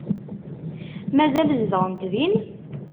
Mazal zedɣent din?